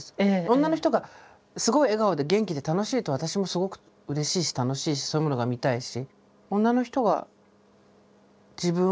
女の人がすごい笑顔で元気で楽しいと私もすごくうれしいし楽しいしそういうものが見たいし。